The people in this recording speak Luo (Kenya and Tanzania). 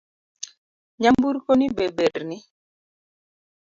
Nyamburko ni be ber ni?